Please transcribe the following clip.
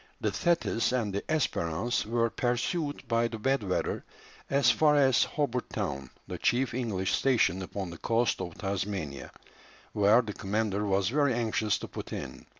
The Thetis and the Espérance were pursued by the bad weather as far as Hobart Town, the chief English station upon the coast of Tasmania, where the commander was very anxious to put in.